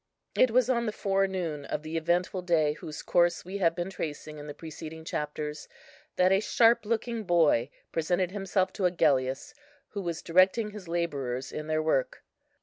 It was on the forenoon of the eventful day whose course we have been tracing in the preceding Chapters, that a sharp looking boy presented himself to Agellius, who was directing his labourers in their work.